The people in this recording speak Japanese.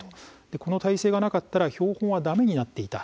この体制がなかったら標本は、だめになっていた。